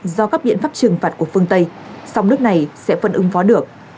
do các biện pháp trừng phạt của phương tây song nước này sẽ phân ứng phó được